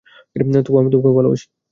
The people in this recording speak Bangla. তবুও আমি তোমাকে ভালবাসি!